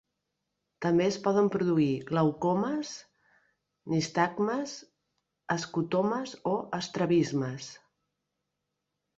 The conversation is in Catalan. També es poden produir glaucomes, nistagmes, escotomes o estrabismes.